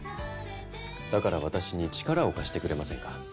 だから私に力を貸してくれませんか？